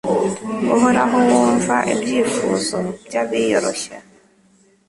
Uhoraho wumva ibyifuzo by’abiyoroshya